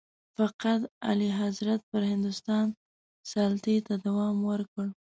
فقید اعلیحضرت پر هندوستان سلطې ته دوام ورکړ.